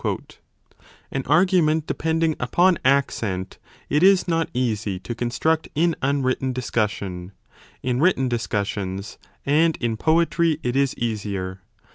4 An argument depending upon accent it is not easy to construct in unwritten discussion ; in written discussions and i66 b in poetry it is easier.